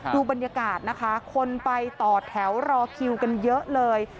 ดูบรรยากาศนะคะคนไปต่อแถวรอคิวกันเยอะเลย